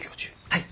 はい。